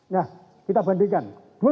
nah kita bandingkan